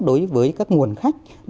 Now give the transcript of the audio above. đối với các nguồn thông tin